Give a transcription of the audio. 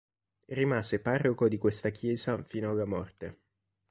Rimase parroco di questa chiesa fino alla morte.